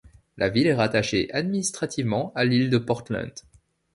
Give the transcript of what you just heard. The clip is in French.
La ville est rattachée administrativement à l'île de Portland.